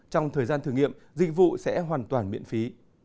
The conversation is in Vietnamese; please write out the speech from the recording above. trong thời gian thử nghiệm dịch vụ sẽ hoàn toàn miễn phí